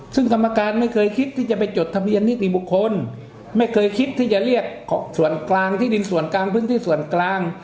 ซึ่งกรรมการไม่เคยคิดที่จะไปจดทะเบียนนิติบุคคลไม่เคยคิดที่จะเรียกส่วนกลางที่ดินส่วนกลางพื้นที่ส่วนกลาง